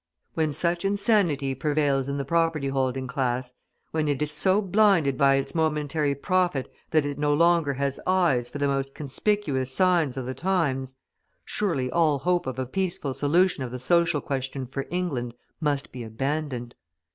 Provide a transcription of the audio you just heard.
When such insanity prevails in the property holding class, when it is so blinded by its momentary profit that it no longer has eyes for the most conspicuous signs of the times, surely all hope of a peaceful solution of the social question for England must be abandoned.